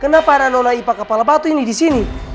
kenapa ada nona ipa kepala batu ini di sini